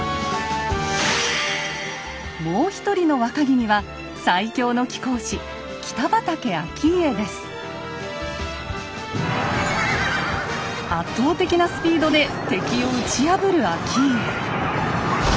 もう一人の若君は最強の貴公子圧倒的なスピードで敵を打ち破る顕家。